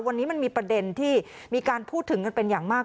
วันนี้มันมีประเด็นที่มีการพูดถึงกันเป็นอย่างมาก